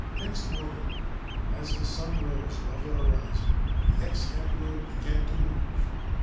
Next morning, as the sun rose above the horizon, the Emperor began to move.